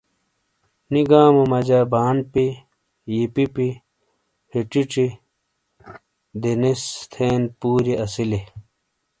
نی گامو مجا بانپی، یپپی، ہچچی، دینیس، تھین پوریی اسیلے۔